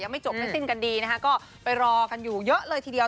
ไม่จบไม่สิ้นกันดีนะคะก็ไปรอกันอยู่เยอะเลยทีเดียว